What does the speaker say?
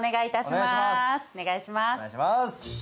お願いします。